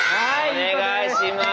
お願いします。